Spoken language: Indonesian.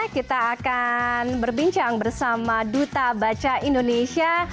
kita akan berbincang bersama duta baca indonesia